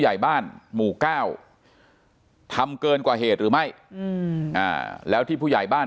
ใหญ่บ้านหมู่เก้าทำเกินกว่าเหตุหรือไม่แล้วที่ผู้ใหญ่บ้าน